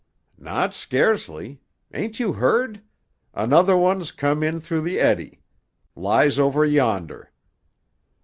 "Not sca'cely! Ain't you heard? Another one's come in through the eddy. Lies over yonder."